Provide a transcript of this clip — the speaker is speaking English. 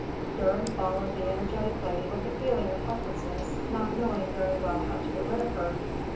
Durham followed the energetic lady with a feeling of helplessness, not knowing very well how to get rid of her.